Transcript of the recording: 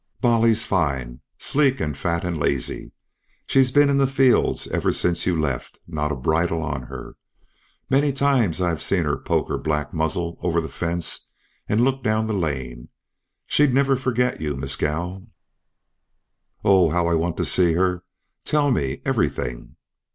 "Bolly's fine. Sleek and fat and lazy! She's been in the fields ever since you left. Not a bridle on her. Many times have I seen her poke her black muzzle over the fence and look down the lane. She'd never forget you, Mescal." "Oh! how I want to see her! Tell me everything."